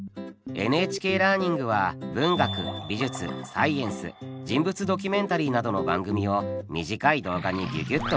「ＮＨＫラーニング」は文学美術サイエンス人物ドキュメンタリーなどの番組を短い動画にぎゅぎゅっと凝縮。